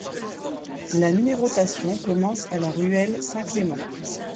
La numérotation commence à la ruelle Saint-Clément.